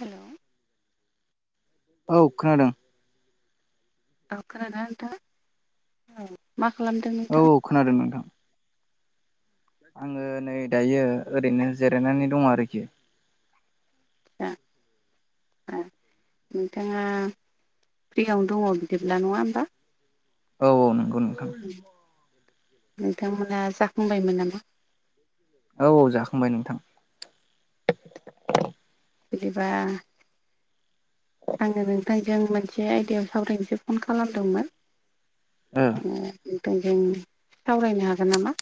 Hello. औ खोनादों। औ खोनादोंना नोंथाङा औ मा खालामदों औ नोंथाङा? औ खोनादों नोंथां। आङो नै दायो ओरैनो जिरायनानै दङ आरोखि। ओ। ओ नोंथाङा फ्रियावनो दङ बिदिब्ला नङा होमबा? औ औ नंगौ नोंथां। नोंथांमोना जाखुंबायमोन नामा? औ औ जाखांबाय नोंथां। बिदिबा आङो नोंफ्राय जों मोनसे आयदायाव सावरायनोसो फन खालामदोंमोन ओ उम नों जों सावरायनो हागोन नामा?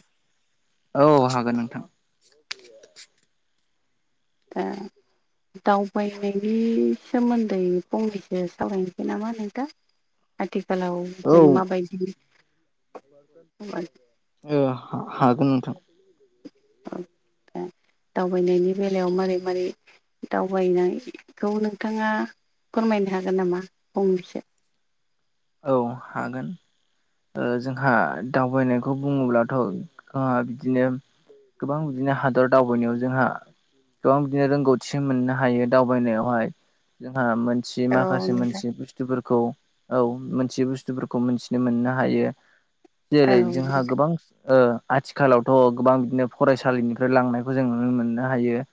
औ हागोन नोंथां ए दावबायनायनि सोमोन्दै फंनैसो सावरायनोसै नामा नोंथां आथिखालाव औ जों ओ माबायदि ओ हागोन नोंथां औ दावबायनायनि बेलायाव मारै मारै दावबायनायखौ नोंथाङा फोरमायनो हागोन नामा फंनैसो औ हागोन ओ जोंहा दावबायनायखौ बुङोब्लाथ' जोंहा बिदिनो गोबां बिदिनो हादर दावबायनायाव जोंहा गोबां बिदिनो रोंगौथि मोननो हायो दावबायनायावहाय जोंहा सि औ माखासे नोंथां मोनथियै बुस्थुफोरखौ औ मोनथियै बुस्थुफोरखौ मोनथिनो मोननो हायो औ जेरै जोंहा गोबां आथिखालावथ' गोबां बिदिनो फरायसालिनिफ्राय लांनायखौ जों नुनो मोननो हायो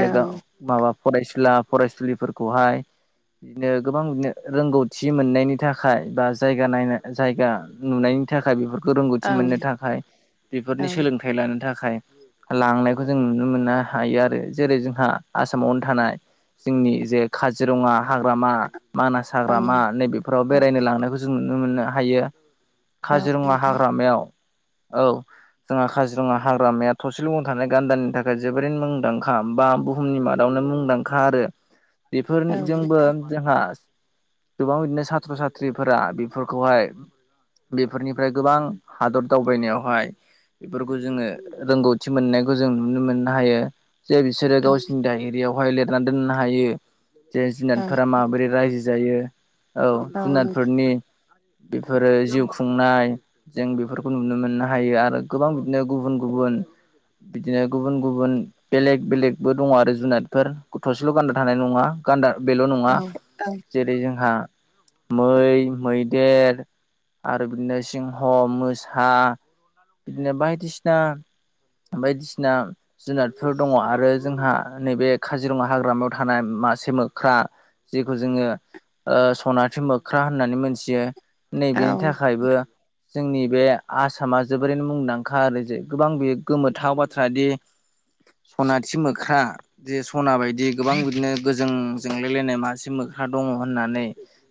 औ माबा फरायसुला फरायसुलिफोरखौहाय बिदिनो गोबां बिदिनो रोंगौथि मोननायनि थाखाय थाखाय बा जायगा नायनाय जायगा नुनायनि थाखाय बेफोरखौ औ रोंगौथि मोननो थाखाय औ बेफोरनि सोलोंथाइ लानो थाखाय लांनायखौ जों नुनो मोननो हायो आरो जेरै जोंहा आसामावनो थानाय जोंनि जे खाजिरङा हाग्रामा मानास औ हाग्रामा नै बेफोराव औ बेरायनो लांनायखौ जों नुनो मोननो हायो औ खाजिरङा नोंथां हाग्रामायाव औ जोंहा खाजिरङा हाग्रामाया थसेल' गं थानाय गान्दानि थाखाय जोबोरैनो मुंदांखा बा बु बुहुमनि मादावनो मुंदांखा आरो [inaudible] औ बेफोरजोंबो जोंहा गोबां बिदिनो सा थ्र' साथ्रिफोरा बेफोरखौहाय बेफोरनिफ्राय गोबां हादर दावबायनायावहाय बेफोरखौ जोङो रोंगौथि मोननायखौ जों नुनो मोननो हायो जे बिसोरो गावसोरनि दायरियावहाय लिरना दोननो हायो जे जुनारफोरा माबोरै रायजो जायो औ जुनारफोरनि बेफोरो जिउ खुंनाय जों बेफोरखौ नुनो मोननो हायो आरो गोबां बिदिनो गुबुन गुबुन बिदिनो गुबुन गुबुन बेलेग बेलेगबो दङ' आरो जुनादफोर गथ'सेल' गानडा थानाय नङा गान्दा बेल' नङा नोंथां जेरै जोंहा मै मैदेर आरो बिदिनो सिंह' मोसा बिदिनो बायदिसिना बायदिसिना जुनारफोर दङ' आरो जोंहा नैबे खाजिरङा हाग्रामायाव थानाय मासे मोख्रा जेखौ जोङो ओ सनाथि मो ख्रा होननानै मोनथियो नै औ बेनि थाखायबो जोंनि बे आसामा जोबोरैनो मुंदांखा आरो जे गोबां बेयो गोमोथाव बाथ्रा दि सनाथि मोख्रा जे सना बायदि गोबां बिदिनो गोजों जोंलायलायनाय मासे मोख्रा दङ' होननानै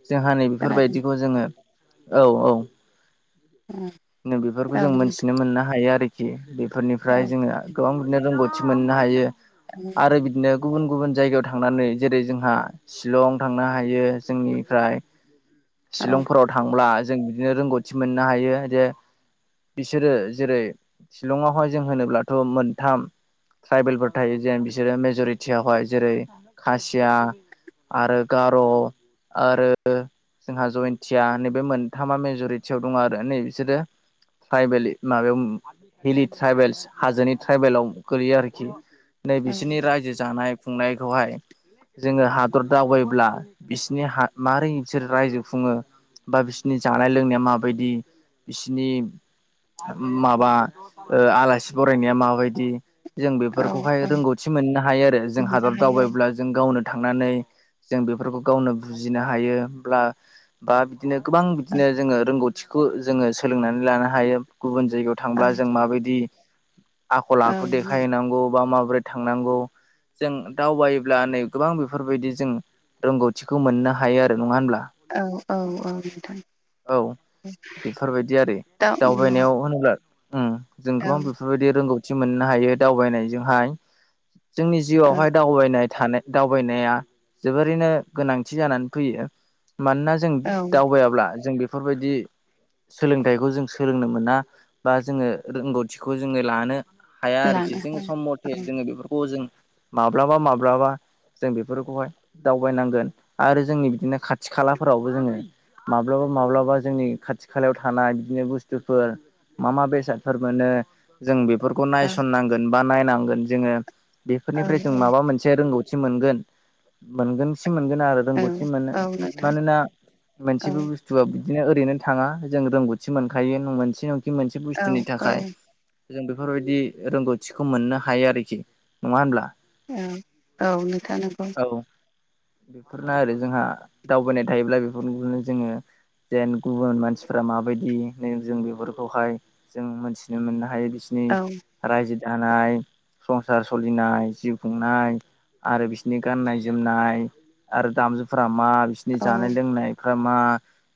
जोंहा नै खोनादों औ नोंथां बेफोरबायदिखौ जोङो औ औ उम नो बेफोरखौ जों मोनथिनो मोननो हायो आरोखि बेफोरनिफ्राय औ जोंनिआ गोबां बिदिनो रोंगौथि मोननो हायो आरो बिदिनो गुबुन गुबुन जायगायाव थांनानै जेरै जोंहा शिलं थांनो हायो जोंनिफ्राय। शिलंफोराव थांब्ला जों बिदिनो रोंगौथि मोननो हायो जे बिसोरो जेरै शिलंआवहाय जों होनोब्लाथ' मोनथाम ट्राइबेलफोर थायो जेन बिसोरो मेज'रिटियावहाय जेरै खासिया आरो गार' आरो जोंहा जयेन्तिया नैबे मोनथामा मेज'रिटियाव दङ' आरो नै बिसोरो ट्राइबेल माबायाव हिलि ट्राइबेल्स हाजोनि ट्राइबेलाव गोलैयो आरोखि। नै औ बिसोरनि रायजो जानाय खुंनायखौहाय जोङो हादर दावबायब्ला बिसिनि हा मारै बिसोर रायजो खुङो बा बिसिनि जानाय लोंनाया माबायदि बिसिनि माबा ओ आलासि बरायनाया माबायदि जों औ बेफोरखौहाय रोंगौथि मोननो हायो आरो जों बिदिनो हादर हायो दावबायब्ला जों गावनो थांनानै जों बेफोरखौ गावनो बुजिनो हायोब्ला बा दिनो गोबां औ बिदिनो जोङो रोंगौथिखौ जोङो सोलोंनानै लानो हायो गुबुन जायगायाव औ थांब्ला जों माबायदि आखल औ आखु देखायहैनांगौ बा माबोरै थांनांगौ जों दावबायोब्ला नै गोबां बेफोरबायदि जों रोंगौथिखौ मोननो हायो आरो नङा होनब्ला? औ औ औ नोंथां। औ बेफोरबायदि आरो दा दावबायनायाव होनोब्ला उम जों औ गोबां बेफोरबायदि रोंगौथि मोननो हायो दावबायनायजोंहाय। जोंनि औ जिउआवहाय दावबायनाय थानो दावबायनाया जोबोरैनो गोनांथि जानानै फैयो। मानोना जों औ दावबायाब्ला जों बेफोरबायदि सोलोंथाइखौ जों सोलोंनो मोना बा जोङो रोंगौथिखौ जोङो लानो हाया आरोखि। लानो जोङो हायो सम औ मथे जोङो बेफोरखौ जों माब्लाबा माब्लाबा जों बेफोरखौहाय दावबायनांगोन आरो जोंनि बिदिनो खाथि खालाफोरावबो जोङो माब्लाबा माब्लाबा जोंनि खाथि खालायाव थानाय बिदिनो बुस्थुफोर मा मा बेसादफोर मोनो। जों बेफोरखौ नायसननांगोन बा नायनांगोन। जोङो औ बेफोरनिफ्राय जों माबा मोनस से रोंगौथि मोनगोन मोनगोन सि मोनगोन आरो। औ रोंगौथि मोनो। औ नोंथां मानोना औ मोनसेबो बुस थुआ बिदिनो ओरैनो थाङा जों रोंगौथि मोनखायो मोनसे नाखि मोनसे औ बुस्थुनि औ थाखाय। जों बेफोरबायदि रोंगौथिखौ मोननो हायो आरोखि नङा होनब्ला? औ औ नोंथां नंगौ। औ बेफोरनो आरो जोंहा दावबायनाय थायोब्ला बेनो जोङो जेन गुबुन मानसिफ्रा माबायदिनो‌ जों बेफोरखौ हाय जों मोनथिनो मोननो हायो बिस नि औ राज्यो दानाय संसार सलिनाय जिउ खुंनाय। आरो बिसोरनि गाननाय जोमनाय आरो दामजुफोरा मा बिसि नि औ जानाय लोंनायफ्रा मा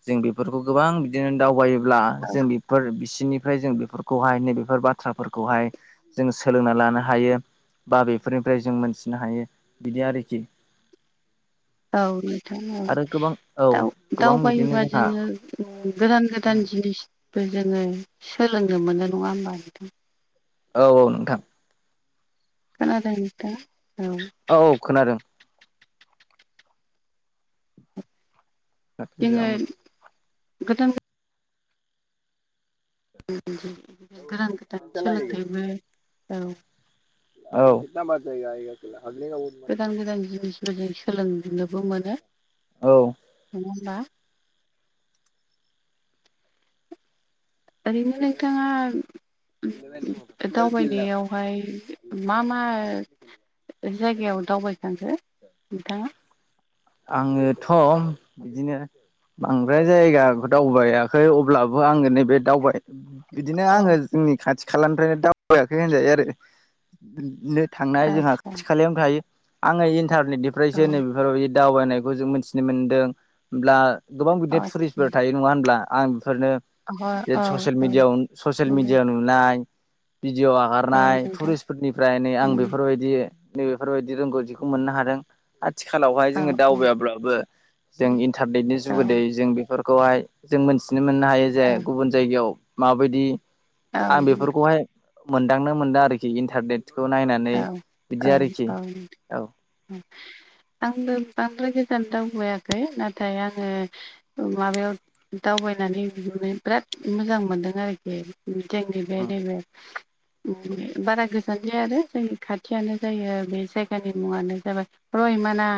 जों बेफोरखौ गोबां बिदिनो दावबायोब्ला जों बि फोर बिसिनिफ्राय जों बेफोरखौ हाय नैबेफोर बाथ्राफोरखौ हाय जों सोलोंना लानो हायो। बा बेफोरनिफ्राय जों मोनथिनो हायो बिदि आरोखि। औ नोंथां औ आरो गोबां औ गोबां बिदिनो दाव-दावबायोबा जोंहा जोङो उम गोदान गोदान औ जिनिसबो जोङो सोलोंनो मोनो नङा होमबा नोंथां। औ औ नोंथां। खोनादों नोंथाङा औ। औ औ खोनादों। जोङो आंबो गोदान गो गोदान गोदान सोलोंथाइबो औ। औ। गोदान गोदान जिनिसबो जों सोलोंनोबो मोनो। औ। नङा होनबा? ओरैनो नोंथाङा दावबायनायाव हाय मा मा जायगायाव दावबायखांखो‌ नोंथाङा? आङोथ' बिदिनो बांद्राय जायगाखौ दावबायाखै अब्लाबो आङो नैबे दावबाय बिदिनो औ आङो जोंनि खाथि खालानिफ्रायनो दावबायाखै होनजायो आरो नो थांनाय जोंहा आतसा खाथि खालायाव थायो आङो औ इन्टारनेटनिफ्रायसो नैब ओ ऐ दावबायनायखौ जों मिथिनो मोन्दों होब्ला गोबां बिदिनो आतसा टुरिस्टफोर थायो। नङा होनब्ला? आं बेफोरनो [unintelligible] ससेल औ मिडियाव सेल नंगौ मिडियाव नाय भिडिअ औ आगारनाय नोंथां टुरिस्टफोरनिफ्राय नै आं उम बेफोरबायदि। नैबेफोरबायदि रोंगौथिखौ मोननो हादों। आथिखालाव हाय औ जोङो औ दावबायाब्लाबो जों इन्टारनेटनि औ जुगुदै जों बेफोर खौ हाय जों मोनथिनो मोननो हायो जे औ गुबुन जायगायाव माबायदि। औ आं बेफोरखौ हाय मोनदांनो मोनदों आरोखि इन्टारनेट बिखौ नायनानै औ इदि औ आरोखि औ नोंथां औ आंबो बांद्राय गोजान दावबायाखै नाथाय आङो माबायाव दावबायनानै बिहुननो बिराद मोजां मोनदों आरोखि जोंनि बे उम नैबे बारा गोजान जाया आरो जोंनि खाथियानो जायो बे जायगानि मुङानो जाबाय रयमना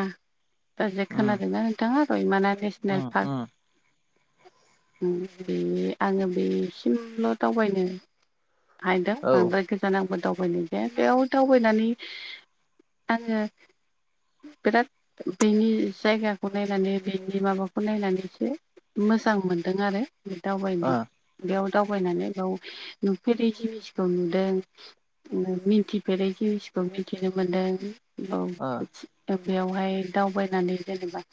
ओरै जाय उम खोनादोंना नोंथाङा रयमना नेसनेल उम पार्क? उम उम बे आङो बेसिमल' दावबायनो हायदों औ ओ बांद्राय गोजानांगबो दावबायनाय बेयाव दावबायनानै आङो बिराद बेनि जायगाखौ नायनानै बेनि माबाखौ नायनानैसो मोजां मोनदों आरो बे ओ दावबायनो बेयाव दावबायनानै बेयाव नुफेरै जिनिसखौ नुदों ओमफ्राय मिन्थि बेै जिउसखौ मिथिनो मोन्दों औ बेयावहाय दावबायनानै जेनेबा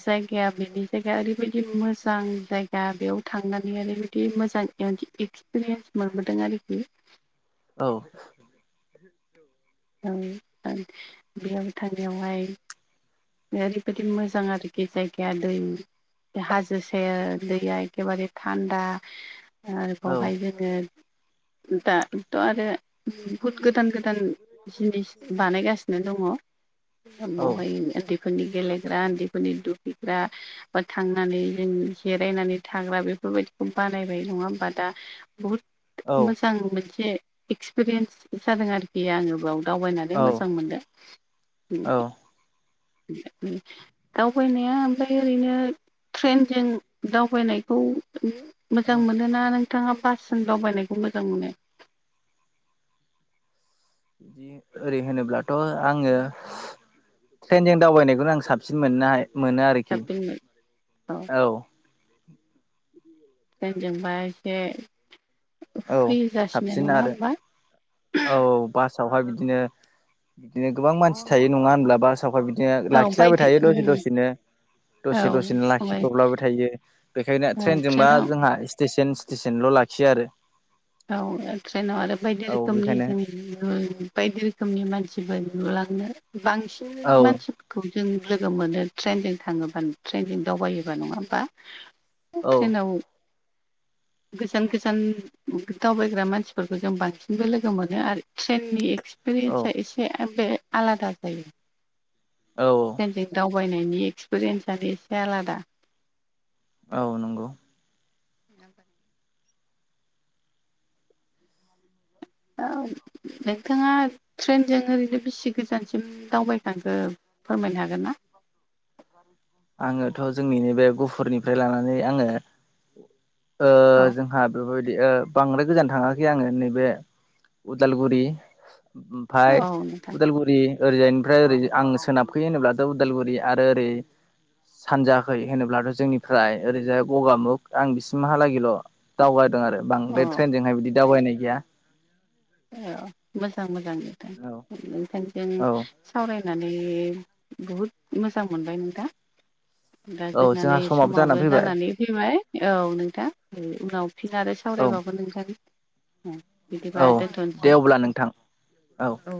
जायगाया बेनि जायगाया ओरैबायदि मोजां जायगा बेयाव थांनानै ओरैबायदि मोजां ऐयावनोखि एक्सपिरियन्स मोनबदों आरोखि। औ। औ ओं बेयाव थानायांनायावहाय ओरैबायाददि मोजां आरोखि जायगिाया दै हाजो सेर दैया एखेबारे थानन्दा आरो बावहाय जोङो दाथ' आरो बहुद गोदान गोदान जिनिस बानायगासिनो दङ औ बेवहाय फोरनि गेलेग्रा उन्दैफोरनि दुखैग्रा बा थांनानै जों जिरायनानै थाग्रा बेफोरबायदिखौ बानायबाय नङा होमबा दा? बहुद मोजां मोनसे एक्सपिरियेन्स जादों आरोखि आङो बेयाव। दावबायनानै औ मोजां मोनदों औ उम। दावबायनाया ओमफ्राय ओरैनो ट्रेनजों दावबायनायखौ मोजां उम मोन ना नोंथाङा बाससिम दावबायनायखौ मोजां मोनो? ओरै होनोब्लाथ' आङो ट्रेनजों दावबायनायखौनो आं साबसिन मोननोहाय मोनो आरोखि। [unintelligible] अ। औ ट्रेनजोंबा एसे औ फैजासिनो साबसिन नङा आरो होमबा औ बासावहाय बिदिनो बिदिनो गोबां मानसि थायो नङा होनब्ला बास [unintelligible] बिदिनो औ लाखिलाबाय बायदि थायो दसे औ दसेनो दसे दसेनो ओमफ्राय लाखिबबब्लाबो थायो बेखायनो औ ट्रेनजोंबा ट्रेनाव जोंहा स्टेसन स्टेसनल' लाखियो आरो औ ट्रेनाव आरो बायदि औ रोखोमनि बेखायनो बायदि रोखोमनि मानसिफोर नुलांनो औ बांसिन मानसिफोर खौ जों लोगो मोनो ट्रेनजों थाङोबा ट्रेनजों दावबायोबा नङा होमबा औ ट्रेनाव गोजान गोजान दावबायग्रा मानसिफोरखौ जों बांसिनबो लोगो मोनो आरो ट्रेननि औ एक्सपिरियेन्सा एसे बे बे आलादा जायो औ ट्रेनजे दावबायनायनि एक्सपिरियेन्सआथ' एसे आलादा औ नंगौ नाब औ नोंथाङा ट्रेनजों ओरैनो बिसि गोजानसिम दावबाय थांगोन फोरमायनो हागोन ना आङोथ' जोंनिनो बे गुफुरनिफ्राय लानानै आङो औ जोंहा बेफोरबायदि बांद्राय गोजान थाङाखै आङो नैबे उदालगुरि ओमफाय औ नोंथां उदालगुर ओरि ओरैजायनिफ्राय ओरै आं सोनाबखोयो होनोब्लाथ' उदालगुरि आरो ओरै सानजायाखै होनोब्लाथ' जोंनिफ्राय ओरैजाय गगामुग आं बिसिमहालागैल' दावगादों आरो अ बांद्राय ट्रेनजोंहाय बिदि दावबायनाय गैया औ मोजां मोजांथां औ ओखाय जों औ सावरायनानै बहुद मोजां मोनबाय नों दा दा औ जोंनानै जोंहा समाबो फैबाय जानानै फैबाय औ नोंथां उनाव फिन आरो औ सावरायबावो नोंथां औ बिदिबा दे दोन्थ'नोसै अब्ला नोंथां औ